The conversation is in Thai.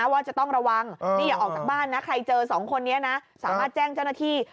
ไม่ว่าจะต้องระวังใครเจอสองคนนี้ก็แจ้งเจ้าหน้าที่